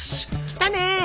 来たね！